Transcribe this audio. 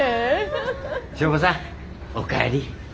祥子さんお帰り。